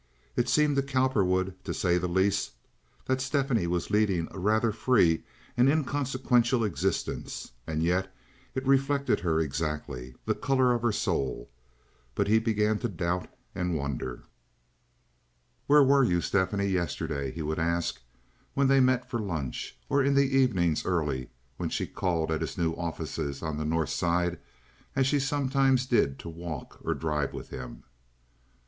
It seemed to Cowperwood, to say the least, that Stephanie was leading a rather free and inconsequential existence, and yet it reflected her exactly—the color of her soul. But he began to doubt and wonder. "Where were you, Stephanie, yesterday?" he would ask, when they met for lunch, or in the evenings early, or when she called at his new offices on the North Side, as she sometimes did to walk or drive with him.